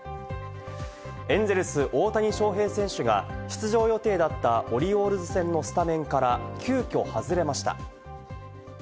エンゼルス・大谷翔平選手が出場予定だったオリオールズ戦のスタメンから急きょ外れました。